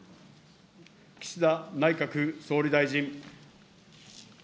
岸田内閣総理大臣。